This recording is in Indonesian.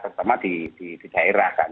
terutama di daerah kan